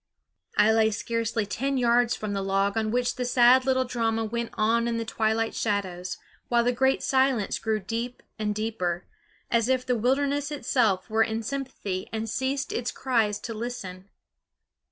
I lay scarcely ten yards from the log on which the sad little drama went on in the twilight shadows, while the great silence grew deep and deeper, as if the wilderness itself were in sympathy and ceased its cries to listen.